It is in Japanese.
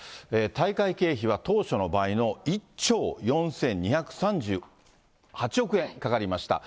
大会経費は、当初の倍の１兆４２３８億円かかりました。